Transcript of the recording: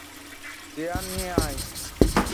Chair নিয়ে আয়!